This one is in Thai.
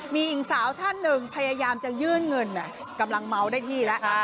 มีหญิงสาวท่านหนึ่งพยายามจะยื่นเงินกำลังเมาได้ที่แล้ว